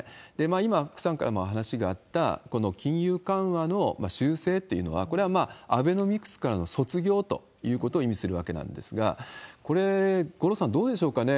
今、福さんからもお話があったこの金融緩和の、修正っていうのは、これはアベノミクスからの卒業ということを意味するわけなんですが、これ、五郎さん、どうでしょうかね？